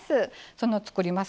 その作ります